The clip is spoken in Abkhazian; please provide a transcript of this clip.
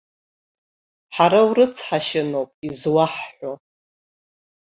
Ҳара урыцҳашьаноуп изуаҳҳәо.